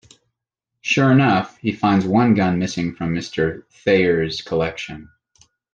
Sure enough, he finds one gun missing from Mr. Thayer's collection.